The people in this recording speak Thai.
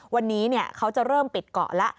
วันนี้เขาจะเริ่มปิดเกาะแล้ว